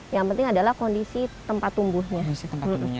yang penting adalah kondisi tempat tumbuhnya